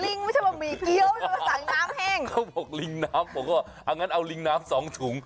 ลิงไม่ใช่บะหมี่เกี๊ยวมาสั่งน้ำแห้งเขาบอกลิงน้ำบอกว่ว่าอังงั้นเอาริงน้ำสองถุง